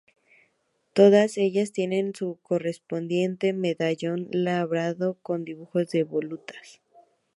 Todas ellas tienen su correspondiente medallón labrado, con dibujos de volutas.